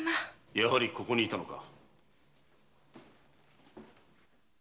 やはりここに居たのか。